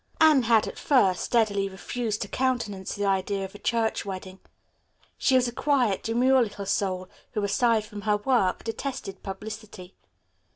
Anne had, at first, steadily refused to countenance the idea of a church wedding. She was a quiet, demure little soul, who, aside from her work, detested publicity.